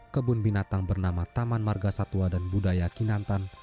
kebun binatang bernama taman marga satwa dan budaya kinantan